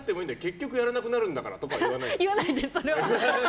結局やらなくなるんだからって言わないです、それは。